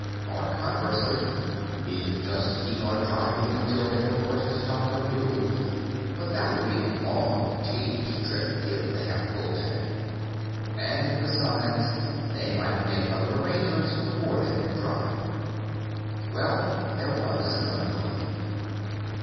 Or, conversely, he could just keep on driving until they were forced to stop for fuel but that could be a long and tedious trip if they had a full tank. And besides, they might make other arrangements before they went dry. Well, there was another way.